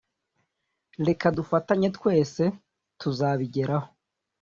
reka dufatanye twese tuza bigeraho